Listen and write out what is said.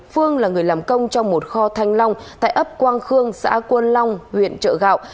phương là người làm công trong một kho thanh long tại ấp quang khương xã quân long huyện trợ gạo